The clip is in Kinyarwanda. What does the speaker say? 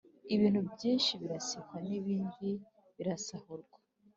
Ibintu byinshi birasenkwa n’ibindi birasahurwa,